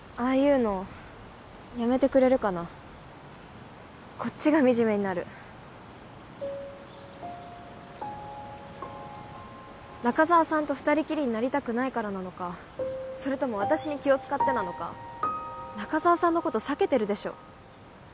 ああいうのやめてくれるかなこっちがみじめになる中沢さんと二人きりになりたくないからなのかそれとも私に気を使ってなのか中沢さんのこと避けてるでしょ？